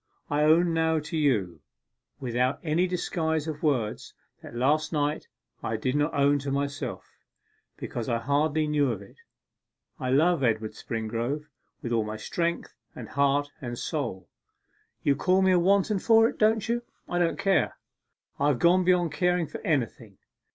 I own now to you, without any disguise of words, what last night I did not own to myself, because I hardly knew of it. I love Edward Springrove with all my strength, and heart, and soul. You call me a wanton for it, don't you? I don't care; I have gone beyond caring for anything!